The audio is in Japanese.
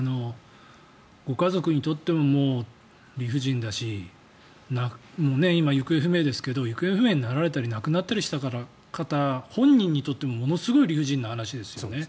ご家族にとっても理不尽だし今、行方不明ですけど行方不明になられたり亡くなられたりした方本人にとってもものすごい理不尽な話ですよね。